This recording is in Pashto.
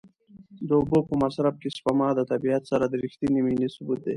د اوبو په مصرف کې سپما د طبیعت سره د رښتینې مینې ثبوت دی.